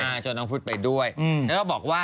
อ่าชวนต้องพูดไปด้วยแล้วก็บอกว่า